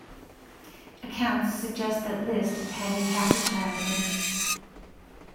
Accounts suggest that List had a happy childhood.